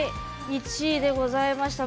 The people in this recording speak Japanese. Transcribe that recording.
１位でございました。